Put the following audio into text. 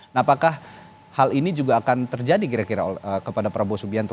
nah apakah hal ini juga akan terjadi kira kira kepada prabowo subianto